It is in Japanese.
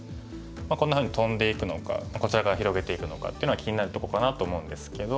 こんなふうにトンでいくのかこちらから広げていくのかっていうのは気になるとこかなと思うんですけど。